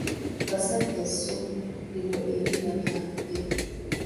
Basajjassubi; lino erinnya lya lugero.